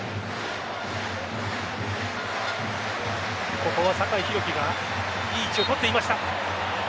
ここは酒井宏樹がいい位置を取っていました。